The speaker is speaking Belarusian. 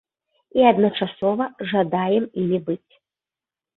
І адначасова жадаем імі быць.